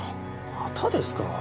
またですか。